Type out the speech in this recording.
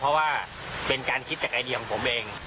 เพราะว่าเป็นการคิดจากไอเดียของผมเอง